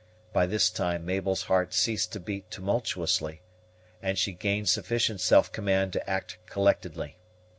By this time Mabel's heart ceased to beat tulmultuously and she gained sufficient self command to act collectedly.